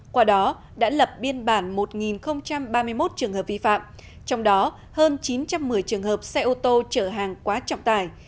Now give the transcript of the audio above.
qua đó đã lập biên bản một ba mươi một trường hợp vi phạm trong đó hơn chín trăm một mươi trường hợp xe ô tô chở hàng quá trọng tải